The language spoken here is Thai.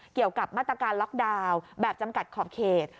เกี่ยวกับมาตรการล็อกดาวน์แบบจำกัดขอบเขต